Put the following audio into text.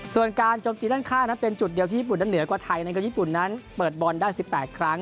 ส่วนการจมตีด้านข้างนั้นเป็นจุดเดียวที่ญี่ปุ่นนั้นเหนือกว่าไทยนะครับญี่ปุ่นนั้นเปิดบอลได้๑๘ครั้ง